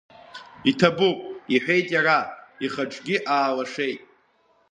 Иҭабуп, — иҳәеит иара, ихаҿгьы аалашеит.